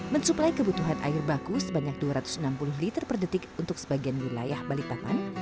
mensuplai kebutuhan air baku sebanyak dua ratus enam puluh liter per detik untuk sebagian wilayah balikpapan